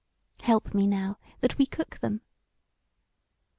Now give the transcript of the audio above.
Help me now, that we cook them."